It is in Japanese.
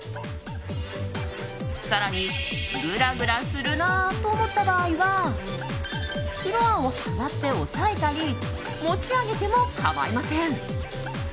更に、グラグラするなと思った場合はフロアを触って押さえたり持ち上げても構いません。